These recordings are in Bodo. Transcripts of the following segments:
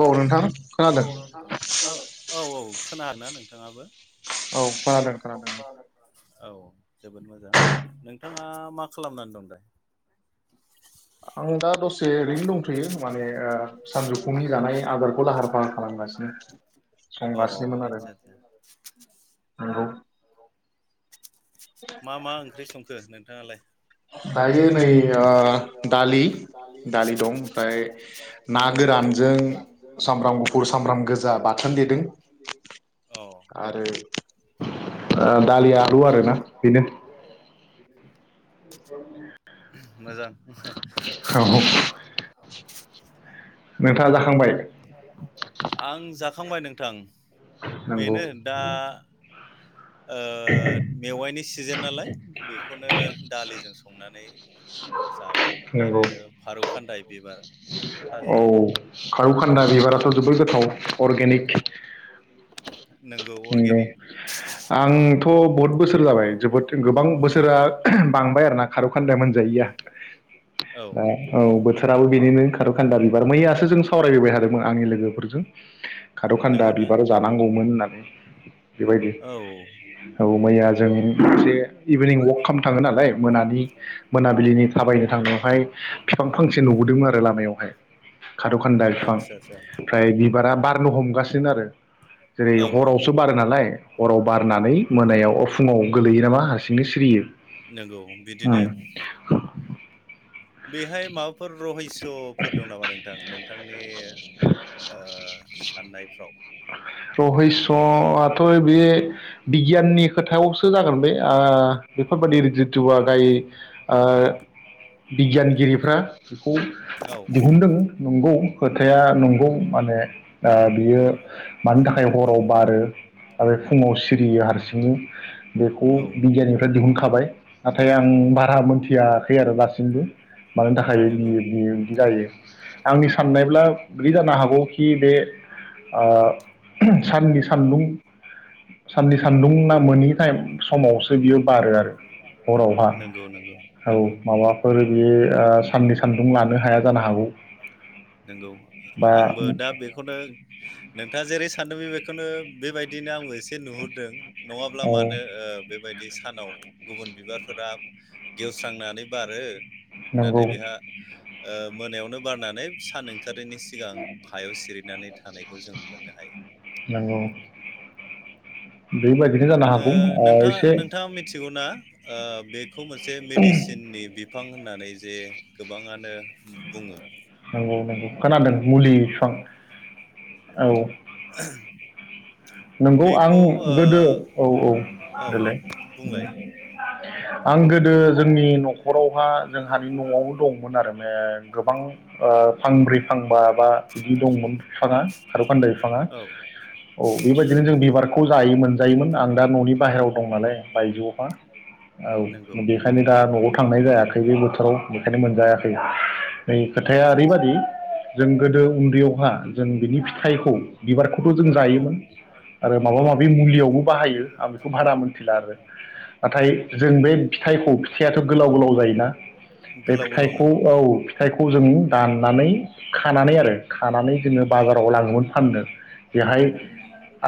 औ नोंथां अ खोनादों नोंथां ओ औ औ खोनादोंना नोंथाङाबो? औ खोनादों खोनादों औ जोबोद मोजां नों नोंथाङा मा खालामनानै दं दाय? आं दा दसे ओरैनो दंथ'यो माने ओ सानजौफुनि जानाय आदारखौ लाहार फाहार खालामगासिनो अ संगासिनोमोन आरो आदसा आदसा नंगौ मा मा ओंख्रि संखो नोंथाङालाय दायो नै आ दालि दालि दं ओमफ्राय ना गोरानजों सामब्राम गुफुर सामब्राम गोजा बाथोन देदों अ आरो दालि आलु आरोना बेनो मोजां औ नोंथाङा जाखांबाय? [unintelligible] आं जाखांबाय नोंथां नंगौ बेनो दा ओ मेवाइनि सिजोन नालाय बेखौनो दालिजों संनानै जाबाय नंगौ आरो फारौ खान्दाय बिबार औ भाजा फारौ खान्दा बिबाराथ' जोबोद गोथाव अर्गेनिक खेति नोंगौ नंगौ अर्गेनिक आं थ' बहुद बोसोर जाबाय जोबोद गोबां बोसोरा बांबाय आरोना खार'खान्दाया मोनजायैया औ दा ओ औ बोथोराबो बेनिनो खारौखान्दा बिबार मैयासो जों सावरायबोबाय थादोंमोन आंनि लोगोफोरजों खार'खान्दा नंगौना बिबार जानांगौमोन होननानै बेबायदि औ औ मैया जों मोनसे इभिनिं वाक खालामनो थांङो नालाय मोनानि मोनाबिलिनि थाबायनो थांनायावहाय बिफां फांसे नुबोदोंमोन आरो लामायावहाय खाद'खान्दाय बिफां आदसा आदसा ओमफ्राय बिबारा बारनो हमगासिनो आरो जेरै औ औ हराव सो बारो नालाय हराव बारनानै मोनायाव अ फुंङाव गोलैयो नामा हारसिंनो सिरियो नंगौ बिदिनो उम। बेहाय माबाफोर रहै स'फोर दं नामा नोंथां? नोंथांनि ओ साननाय रहैस' आथ' बे बिगियाननि खोथायावसो जागोन बे ओ बेफोरबायदि रुजुथुवा गाय ओ बिगियानगिरिफ्रा बेखौ औ दिहुनदों नंगौ। खोथाया नंगौ माने दा बियो मानि थाखाय हराव बारो आरो फुंङाव सिरियो हारसिं बेखौ औ बिगियाननिफ्राय बुखाबाय ना थाय आं बारा मोनथियाखै आरो दासिमबो मानो थाखाय नंगौ बियो बियो बिदि जायो आंनि साननायब्ला बिदि जानो हागौखि बे ओ साननि सान्दुं साननि सान्दुं ना मोनोनि टाइम समावसो बियो बारो आरो हरावहा। नंगौ नंगौ औ नंगौ माबाफोर बेयो ओ साननि सान्दुं लानो हाया जानो हागौ नंगौ बा आंबो बेखौनो दा जेरै सानदों बे बेखौनो बेबायदिनो आंबो एसे नुहुरदों। नंङाब्ला औ मानो ओ बेबायदि सानाव गुबुन बिबारफोरा गेवस्रांनानै बारो नंगौ नाथाय बेहा ओ मोनायावनो बारनानै सान ओं खारिनि सिगां हायाव सिरिनानै थानायखौ जों मोननो हायो। नंगौ बेबायदिनो जानो ओ हागौ ओ नोंथाङा एसे नोंथाङा मिथिगौ ना ओ बे खौ मोनसे मेडिसिननि बिफां होननानै जे गोबांङानो बुंङो। नंगौ नंगौ खोनादों मुलि बिफां औ। [inaudible] नंगौ आं बेखौ ओ गोदो औ औ औ देलाय। बुंलाय आंगो न'आव दंमोन आरो गोबां ओ फांब्रै फांबा बा बिदि दंमोन बिफाङा औ बे बायदिनो जों बिबारखौ जायोमोन जायोमोन आं दा न'नि बाहेरायाव दं नालाय बायजोआवफा औ नंगौ बेखायनो दा न'आव थांनाय जायाखै बे बोथोराव बेखायनो मोनजायाखै नै खोथाया आदसा आदसा ओरैबायदि जों गोदो उन्दैयावहा जों बिनि फिथाइखौ बिबारखौथ' जों औ जायोमोन आरो माबा औ माबि मुलियावबो बाहायो आं बेखौ बारा मोनथिला आरो नाथाय जों बे फिथाइखौ फिथाइयााथ' गोलाव गोलाव जायोना बे गोलाव गोलाव फिथाइखौ नंगौ औ फिथाइखौ जों दाननानै खानानै आरो खानानै जोङो बाजाराव लाङोमोन फाननो बेहाय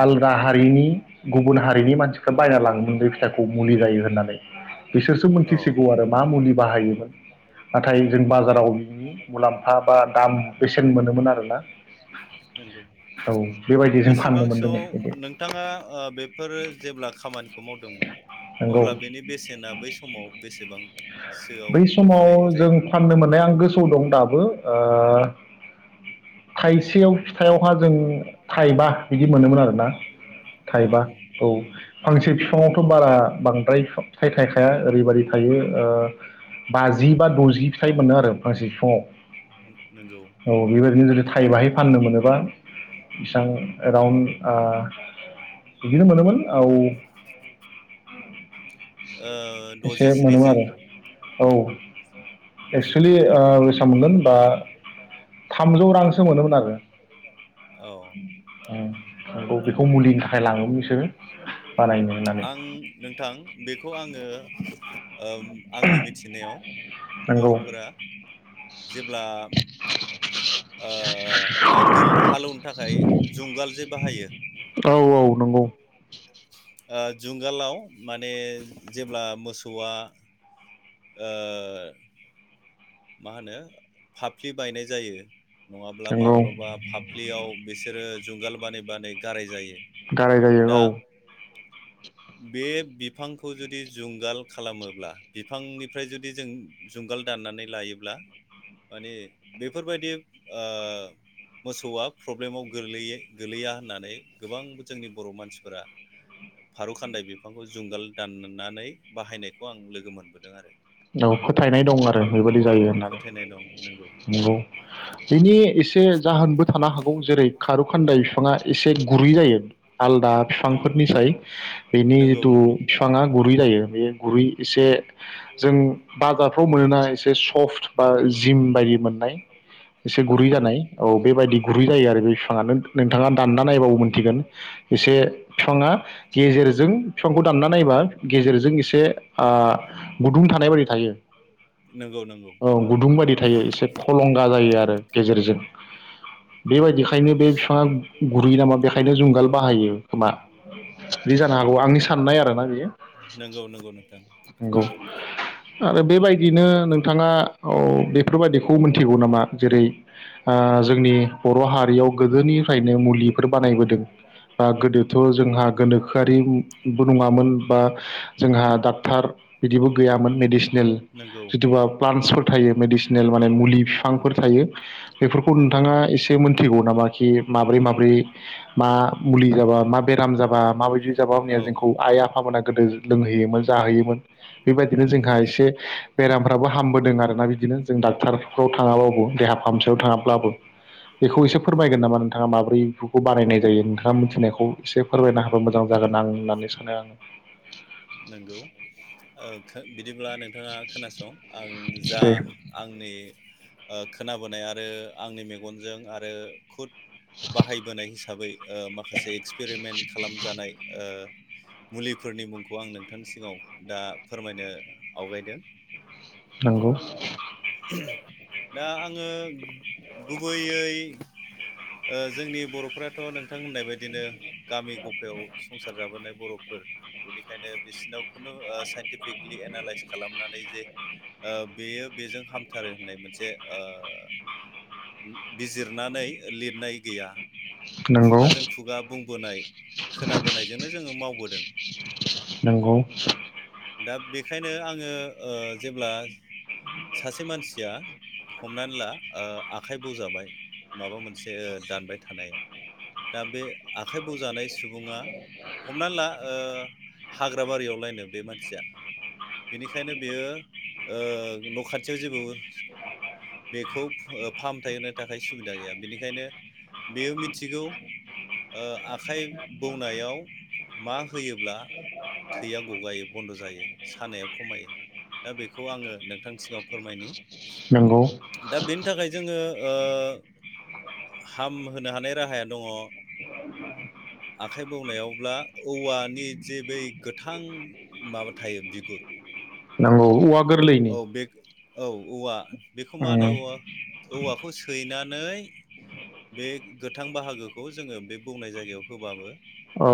आलादा हारिनि गुबुन हारिनि मानसिफ्रा बायना लाङो मोननलै फिथाइखौ मुलि जायो होननानै बिसोरसो औ मोनथिसिगौ आरो मा मुलि बाहायोमोन नाथाय जों बाजाराव बिनि मुलाम्फा बा दाम बेसेन मोनोमोन आरोना नंगौ औ बेबायदि जों फाननो मोनदोंमोन बेसेबांसोआव बिदि नोंथाङा बेफोर जेब्ला खामानि मावदोंमोन नंगौ अब्ला बेनि बेसे ना बै समाव बेसेबां बै समाव जों फाननो मोननाय आं गोसोआव दं दाबो ओ खाय सेयाव फिथाइयावहा जों थाइबा बिदि मोनोमोन आरोना अ थाइबा औ फांसे बिफाङावथ' बारा बांद्राय फिथाइ थायखाया ओरैबादि थायो ओ बाजि बा द'जि फिथाइ मोनो आरो फांसे नंगौ बिफाङाव औ बेबायदिनो ज फाननो मोनोबा बेसबां एराउन्ड ओ बिदिनो मोनोमोन औ ओ एसे द'जि मोनोमोन स्निजि आरो औ एक्सुेलि बेसेबां मोनगोन बा थामजौ रां मोनोमोन आरो। औ औ। औ औ बेखौ मुलिनि थाखाय लाङो बिसोरो बानायनो होननानै आं नोंथां बेखौ आङो आंनि मिथिनायाव नंगौ बर'फोरा जेब्ला नांगोल हालेवनो थाखाय जुंगाल जे बाहायो। औ औ नंगौ। जुंगालाव माने जेब्ला मोसौआ ओं। मा होनो फाफ्लि बायनाय जायो। नङाब्ला नंगौ माब्लाबा फाफ्लियाव बिसोरो जुंगाल बानै बानै गाराय जायो। गाराय जायो औ। दा बे बिफांखौ जुदि जुंगाल खालामोब्ला बिफांनिफ्राय जुदि जों जुंगाल दाननानै लायोब्ला माने बेफोरबायदि मोसौआ प्रब्लेमाव गोलैया गोलैया होननानै गोबां जोंनि बर' मानसिफोरा फारौ खान्दाय बिफांखौ जुंगाल दाननानै बाहायनायखौ आं लोगो मोनबोदों आरो। औ फोथायनाय दं आरो [inaudible] जायो होननानै फोथायनाय दं नंगौ बेनि एसे जाहोनबो थानो हागौ जेरै खारु खान्दाय बिफाङा एसे गुरै जायो आलदा नंगौ बिफांफोरनिफ्राय बेनि नंगौ जिथु नंगौ बिफाङा गुरै जायो बे गुरै एसे बाजारफ्राव मोनोना एसे सम बा जिम बायदि मोननाय एसे गुरै नंगौ जानाय औ बेबायदि गुरै जायो आरो बे बिफाङा नोंथाङा दानना नायबाबो मोनथिगोन एसे बिफाङा गेजेरजों बिफांखौ दानना नायबा गेजेरजों एसे गुदुं थानाय बायदि नंगौ नंगौ थायो। औ गुदुं बायदि थायो एसे हलंगा जायो आरो गेजेरजों बेबायदिखायनो बे बिफाङा गुरैय नामा बेखायनो जुंगाल बाहायो खोमा बिदि जानो हागौ आंनि साननाय आरोना बेयो नंगौ नंगौ नोंथां नंगौ। आरो बेबायदिनो नोंथाङा औ बेफोरबायदिखौ मोनथिगौ नामा जेरै जोंनि बर' हारियाव गोदोनिफ्रायनो मुलिफोर बानायबोदों बा गोदोथ' जोंहा गोनोखोआरिबो नङामोन बा जोंहा डाक्टार बिदिबो गैयामोन मेडिसिनेल नंगौ जिथुबा प्लान्ट थायो मेडिसिनेल माने मुलि बिफांफोर थायो बेफोरखौ नंगौ नोंथाङा एसे मोनथिगौ नामा खि माब्रै माब्रै मा मुलि जाबा मा बेराम जाबा माबायदि जाबा औ जोंखौ आइ आफामोना गोदो लोंहैयोमोन जाहोयोमोन। बेबायदिनो नंगौ जोंहा एसे बेरामफ्राबो हामो। आरोना बिदिनो जों डाक्टारफ्राव थाङाबाबो देहा फाहामसालियाव थाङाब्लाबो बेखौ एसे फोरमायगोन नामा नोंथाङा माब्रै बेफोरखौ बानायनाय जायो नोंथाङा मिथिनायखौ एसे फोरमायना हाबा मोजां जागोन आं होननानै सानो आङो। नंगौ बिदिब्ला नोंथाङा खोनासं आं जा दे आंनि खोनाबोनाय आरो आंनि मेगनजों आरो खुद बाहायबोनाय हिसाबै ओ माखासे एक्सपेरिमेन्ट खालामजानाय ओ मुलिफोरनि मुंखौ आं नोंथांनि सिगाङाव दा फोरमायनो आवगायदों। नंगौ। दा आङो गुबैयै ओ जोंनि बर'फ्राथ' नोंथां होननाय बायदिनो गामि गफायाव संसार जाबोनाय बर'फोर बेनिखायनो बिसोरनाव खुनु ओ साइन्टिफिकेलि एनालायज खालामनानै जे ओ बेयो बेजों हाम थारो होननाय मोनसे ओ उम। बिजिरनानै लिरनाय गैया नंगौ खुगाजों खुगा बुंबोनाय खोनाबोनायजोंनो जों ङो मावबोदों। नंगौ। खायनो आङो ओ जेब्ला सासे मानसिया हमनानै ला ओ आखाइ बौजाबाय। माबा मोनसे दानबाय थानायाव दा बे आखाइ बौजानाय सुबुङा हमनानै ला ओ हाग्रा बारियावलायनो बे मानसिया बेनिखायनो बेयो ओ न'खाथियाव जेबो बेखौ फाहामथाय होनो थाखाय सुबिदा गैया बेनिखायनो बेयो मिथिगौ ओ आखाइ बौनायाव मा होयोब्ला थैया गगायो बन्द' जायो सानाया खमायो दा बेखौ आङो नोंथां सिङाव फोरमायनि नंगौ दा बेनि थाखाय जोङो ओ हामहोनो हानाय राहाया दङ आखाइ बौनायावब्ला औवानि जे बै गोथां माबा थायो बिगुर। नांगौ गोरलैनि औ बे औ औवा बेखौ मा होनो औ औवाखौ सैना नै बे गोथां बाहागोखौ जोङो बे बुंनाय जायगायाव होबाबो औ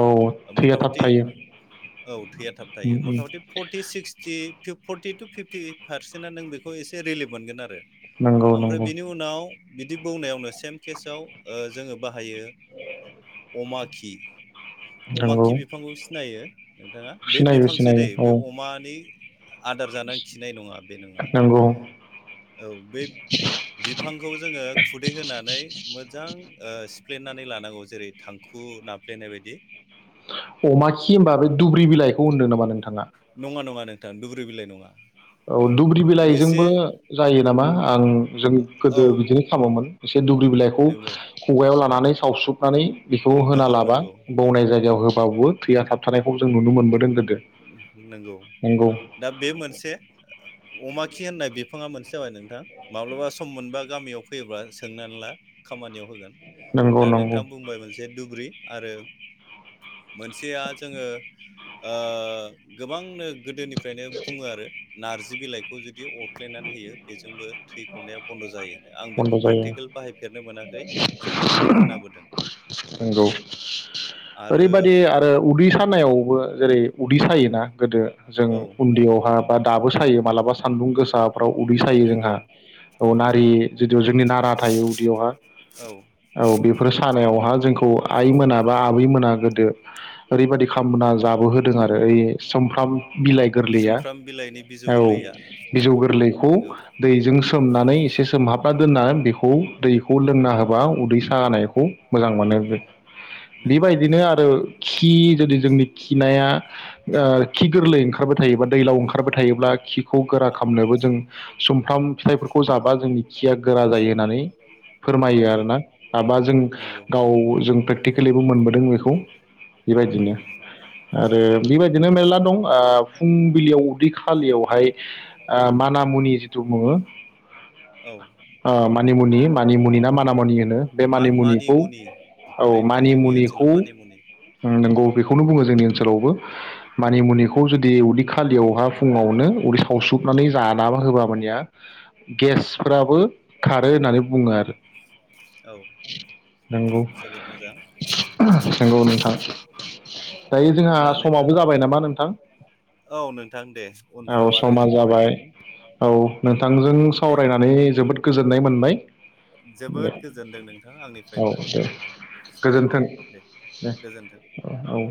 थैया मता थाब मति थायो औ थैया थाबथायो मता मति फरति सिस्कति फिफ फर्टि तु फिफ्टिओइत पारसेन्टआ नों बेखौ एसे रिलिफ मोनगोन आरो नंगौ ओमफ्राय नंगौ बेनि उनाव बिदि बौनायावनो सेम केसाव ओ जोङो बाहायो अमा खि अमा नंगौ खि बिफांखौ सिनायो नोंथाङा बे सिनायो बिफांसो सिनायो दै बे औ अमानि आदार जानाय। खिनाय नङा बे नङा। नंगौ औ बे बिफांखौ जोङो खुदै होनानै मोज जां सिफ्लेनानै लानांगौ जेरै थांखु नाफ्लेनाय बायदि। अमा खि होमबा बै दुब्रि बिलाइखौ होनदों नामा नोंथाङा। थां दुब्रि बिलाइ नङा। औ दुब्रि एसे बिलाइजोंबो जायो नामा आं जों गोदो औ बिदिनो खालामोमोन एसे दुब्रि बिलाइखौ नंगौ खुगायाव लानानै सावसुबनानै बेखौ होना नंगौ लाबा नंगौ बौनाय जायगायाव होब बावबो‌ थैया थाब थानायखौ जों नुनो मोनबोदों गोदो नंगौ नंगौ अमा खि होननाय बिफाङा मोनसे जाबाय नोंथां माब्लाबा सम मोनबा गामियाव फैयोब्ला सोंनानै ला खामानियाव होगोन नंगौ दा नंगौ नोंथां बुंबाय मोनसे दुब्रि आरो मोनसेया जोङो ओ गोबांनो गोदोनिफ्रायनो बुङो आरो नारजि बिलाइखौ जुदि अर खुख्लेनानै होयो बेजोंबो थै गनाया बन्द' जायो होनो आं बन्द' बेखौ जायो प्रेकटिकेल बाहायफेरनो मोनाखै जिखुनु आं खोनाबोदों नंगौ आरो ओरैबादि आरो उदै सानायावबो जेरै उदै सायोना गोदो जों औ उन्दैयावहा दा दाबो सायो मालाबा सानदुं गो साफ्राव उदै सायो नंगौ जोंहा। औ, नारि जदि जोंनि नारा थायो उदैयावहा औ औ बेफोर सानायावहा जोंखौ आइ मोना बा आबै मोना गोदो ओरै बायदि खालामामना जाबो होदों आरो ओइ समफ्राम बिलाइ गोरलैया सुमफ्राम बिलाइनि बिजौ औ गोरलैया गोरलैखौ नंगौ दैजों सोमनानै एसे सोमहाबना दोनना बेखौ दैखौ लोंना होबा उदै सानायखौ मोजां मोनो बे नंगौ बायदिनो आरो खि जुदि जोंनि खिनाया ओ खि गोरलै ओंखारबाय थायोबा दैलाव ओंखारबाय थायोब्ला खिखौ गोरा खालामनोबो जों सुमफ्राम फिथाइफोरखौ जाबा जोंनि खिया गोरा जायो होननानै फोरमायो नंगौ आरोना माबा जों नंगौ गाव नंगौ जों प्रेक्टिकेलिबो मोनबोदों बेखौ बे बायदिनो नंगौ आरो बे बायदिनो मेरला दं ओ फुंबिलियाव उदै खालियावहाय ओ मानामुनि जिथु बुङो औ ओ मानिमुनि मानिमुनि ना मानामुनि होनो बे मा मानि मानिमुनिखौ मुनि औ ओरैनो जोंनि ओनसोलाव मानिमुनिखौ मानि मुनि नोंगौ बेखौनो बुङो जोंनि ओनसोलावबो मानिमुनिखौ जु दि उदै खालियावहा फुङावनो उदै संनानै जाना होबा मानिया उम गेसफ्राबो खारो होननानै बुङो आरो। औ नंगौ जोबोद मोजां नंगौ नोंथां दायो जोंहा अब्ला नोंथां समावबो जाबाय नामा नोंथां? औ नोंथां दे औ उनफ्राव आ समा जाबाय औ नोंथांजों दे सावरायनानै जोबोद गोजोननाय मोनबाय दे जोबोद गोजोनदों नोंथां औ आंनिफ्रायबो दे गोजोन्थों साबायखर दे दे गोजोन्थों औ औ।